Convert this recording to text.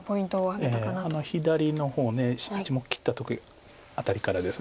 あの左の方１目切ったあたりからです。